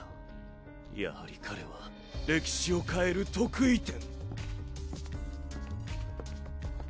やはり彼は歴史を変える特異点。